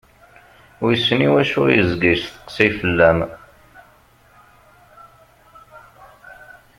Wissen i wacu i yezga yesteqsay-s fell-am.